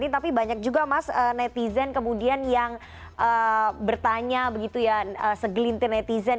tapi banyak juga mas netizen kemudian yang bertanya begitu ya segelintir netizen